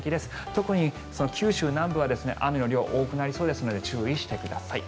特に九州南部は雨の量が多くなりそうですので注意してください。